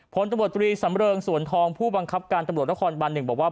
ผลตรวจตรีสำเริงสวนทองผู้บังคับการตรวจตะคอนบันหนึ่งบอกว่า